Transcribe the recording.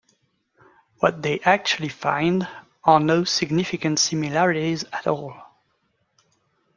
What they actually find are no significant similarities at all.